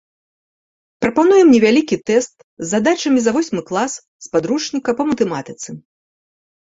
Прапануем невялікі тэст з задачамі за восьмы клас з падручніка па матэматыцы.